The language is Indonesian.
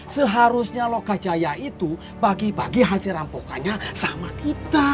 seharusnya lokajaya itu bagi bagi hasil rampukannya sama kita